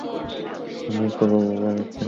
হানিফার এ-বাড়িতে আসার ইতিহাস বেশ বিচিত্র।